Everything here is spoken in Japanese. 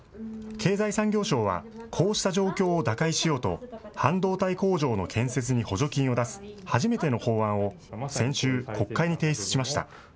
経済産業省はこうした状況を打開しようと、半導体工場の建設に補助金を出す初めての法案を先週、国会に提出しました。